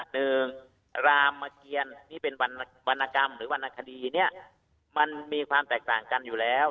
หนึ่งรามเกียรนี่เป็นวรรณกรรมหรือวรรณคดีเนี่ยมันมีความแตกต่างกันอยู่แล้ว